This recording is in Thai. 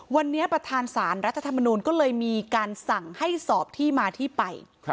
วันนี้ประธานสารรัฐธรรมนูลก็เลยมีการสั่งให้สอบที่มาที่ไป